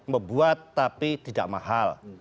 membuat tapi tidak mahal